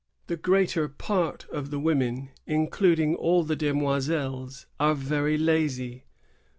The greater part of the women, including all the demoiselles^ are very lazy."